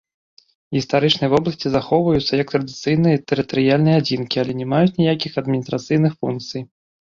Гістарычныя вобласці захоўваюцца як традыцыйныя тэрытарыяльныя адзінкі, але не маюць ніякіх адміністрацыйных функцый.